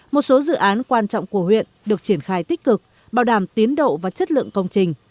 một số dự án quan trọng của huyện được triển khai tích cực bảo đảm tiến độ và chất lượng công trình